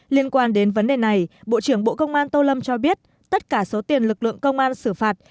liên quan đến vấn đề này bộ trưởng bộ công an tô lâm cho biết tất cả số tiền lực lượng công an xử phạt